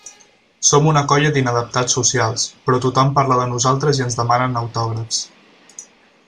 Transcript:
Som una colla d'inadaptats socials, però tothom parla de nosaltres i ens demanen autògrafs.